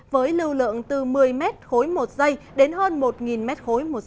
với lưu lượng từ một mươi m một s đến hơn một m một s